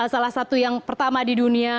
salah satu yang pertama di dunia